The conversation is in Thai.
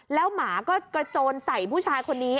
แล้วหมาก็กระโจนใส่ผู้ชายคนนี้